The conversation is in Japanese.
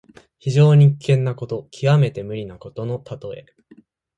非常に危険なこと、きわめて無理なことのたとえ。